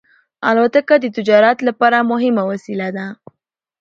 الوتکه د تجارت لپاره مهمه وسیله ده.